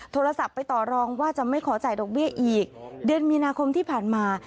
โทรศัพท์ไปต่อรองว่าจะไม่ขอจ่ายดอกเบี้ยอีกเดือนมีนาคมที่ผ่านมา